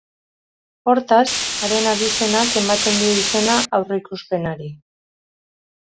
Hortaz, haren abizenak ematen dio izena aurreikuspenari.